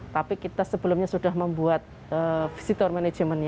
tapi kita sebelumnya sudah membuat visitor management